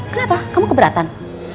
kenapa kamu keberatan